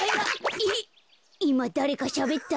えっいまだれかしゃべった？